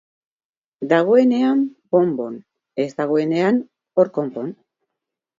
Dagoenean bon-bon, ez dagoenean hor konpon.